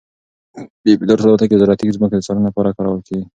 بې پیلوټه الوتکې د زراعتي ځمکو د څارنې لپاره کارول کیږي.